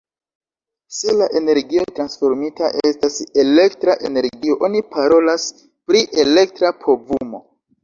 Se la energio transformita estas elektra energio oni parolas pri elektra povumo.